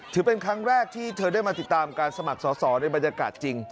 ถือเป็นครั้งแรกที่เธอได้มาติดตามการสมัครสอสอในบรรยากาศจริง